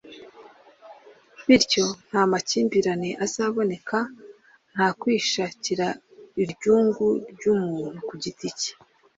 Bityo, nta makimbirane azaboneka, nta kwishakira uryungu z'umuntu ku giti cye,